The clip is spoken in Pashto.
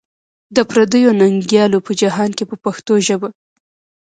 د پردیو ننګیالیو په جهان کې په پښتو ژبه.